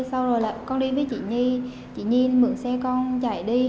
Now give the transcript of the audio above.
sau đó con đi với chị nhi chị nhi mượn xe con chạy đi